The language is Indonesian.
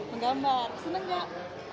menggambar senang gak